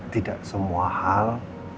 tidak semua hal